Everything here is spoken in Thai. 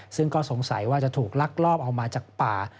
ซึ่งก็สงสัยว่าจะถูกลักลอบเอามาจากป่า